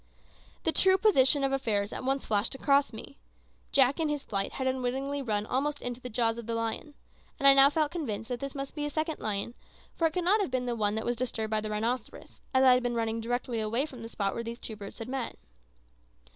The true position of affairs at once flashed across me. Jack in his flight had unwittingly run almost into the jaws of the lion; and I now felt convinced that this must be a second lion, for it could not have been the one that was disturbed by the rhinoceros, as I had been running directly away from the spot where these two brutes had met.